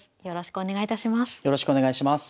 よろしくお願いします。